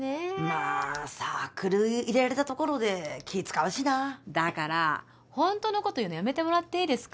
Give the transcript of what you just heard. まあサークル入れられたところで気い使うしなだからホントのこと言うのやめてもらっていいですか？